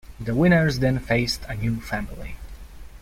The winners then faced a new family.